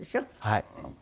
はい。